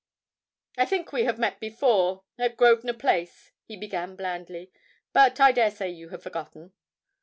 'I think we have met before at Grosvenor Place,' he began blandly; 'but I dare say you have forgotten.'